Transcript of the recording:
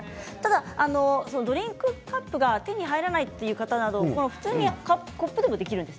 ドリンクカップが手に入らないいう方は普通のコップでもできるんです